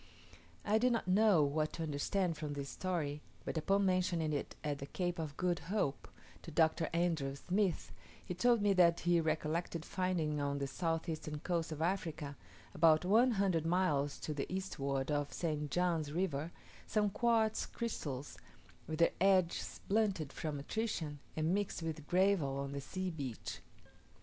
I did not know what to understand from this story, but upon mentioning it at the Cape of Good Hope to Dr. Andrew Smith, he told me that he recollected finding on the south eastern coast of Africa, about one hundred miles to the eastward of St. John's river, some quartz crystals with their edges blunted from attrition, and mixed with gravel on the sea beach.